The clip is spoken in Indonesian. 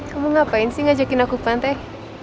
kamu ngapain sih ngajakin aku ke pantai